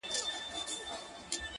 دوه زړونه په سترگو کي راگير سوله.